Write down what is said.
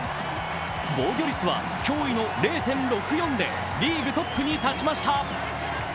防御率は驚異の０．６４でリーグトップに立ちました。